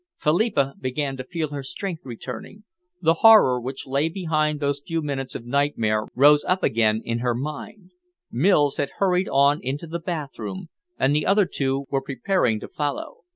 Philippa began to feel her strength returning. The horror which lay behind those few minutes of nightmare rose up again in her mind. Mills had hurried on into the bathroom, and the other two were preparing to follow.